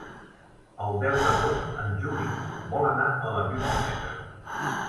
El deu d'agost en Juli vol anar a la biblioteca.